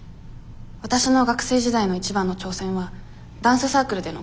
わたしの学生時代の一番の挑戦はダンスサークルでの活動です。